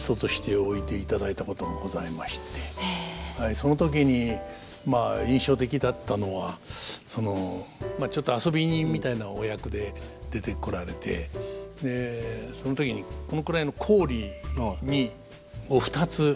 その時にまあ印象的だったのはそのちょっと遊び人みたいなお役で出てこられてその時にこのくらいの行李を２つ持ってこられてですね